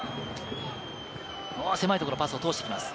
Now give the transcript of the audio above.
狭いところ、パスを通してきます。